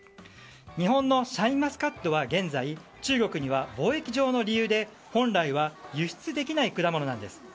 日本のシャインマスカットは現在、中国には防疫上の理由で本来は輸出できない果物なんです。